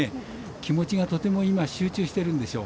気持ちが、とても今集中しているんでしょう。